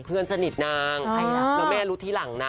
เพื่อนสนิทนางแล้วแม่รู้ทีหลังนะ